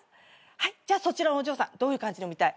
はいそちらのお嬢さんどういう感じで産みたい？